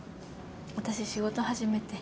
私仕事始めて。